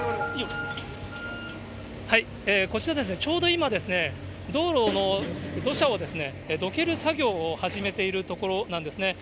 こちらちょうど今、道路の土砂をどける作業を始めているところなんですね。